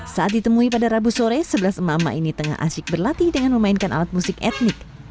saat ditemui pada rabu sore sebelas emak emak ini tengah asyik berlatih dengan memainkan alat musik etnik